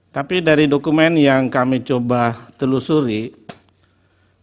tapi dari dokumen yang kami coba telusuri